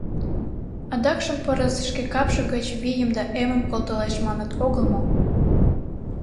Адакшым пырыс шке капше гыч вийым да эмым колтылеш маныт огыл мо?